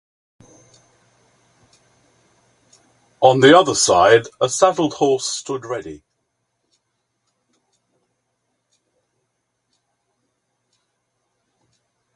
On the other side a saddled horse stood ready.